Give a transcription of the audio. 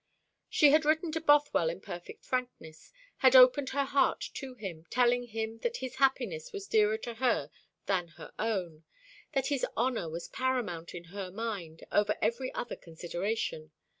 She had written to Bothwell in perfect frankness, had opened her heart to him, telling him that his happiness was dearer to her than her own, that his honour was paramount in her mind over every other consideration.